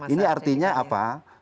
ini artinya apa